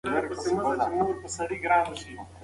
که موږ خپله ژبه وساتو، نو تاریخ به نه ورکېږي.